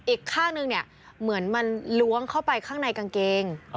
อีกข้างนึงเนี่ยเหมือนมันล้วงเข้าไปข้างในกางเกง